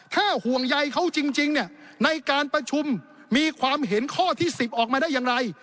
ถ้าห่วงใยเขาจริงเนี่ยในการประชุมมีความเห็นข้อที่๑๐ออกมาได้อย่างไร